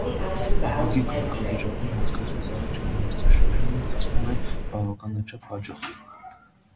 Ավագի կարգավիճակում անցկացրած առաջին մրցաշրջանն ստացվում է բավականաչափ հաջող։